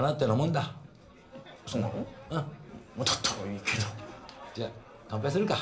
だったらいいけど。じゃあ乾杯するか。